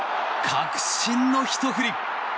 確信のひと振り。